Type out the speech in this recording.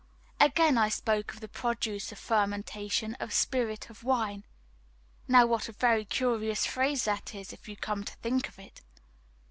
Again, I spoke of the produce of fermentation as "spirit of wine." Now what a very curious phrase that is, if you come to think of it.